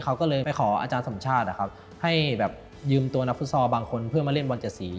เขาก็เลยไปขออาจารย์สมชาติให้ยืมตัวนักฟุตซอลบางคนเพื่อมาเล่นฟุตบอล๗สี